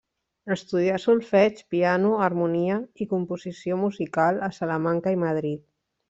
Estudià solfeig, piano, harmonia i composició musical a Salamanca i Madrid.